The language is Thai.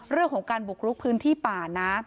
เรื่องของการบุกลุกพื้นที่ป่านะ